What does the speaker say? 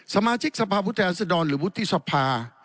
สมาชิกสภาพผู้แทนรัศดรหรือวุฒิสภา